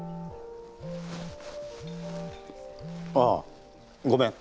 ああごめん。